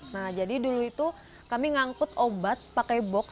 nah jadi dulu itu kami ngangkut obat pakai box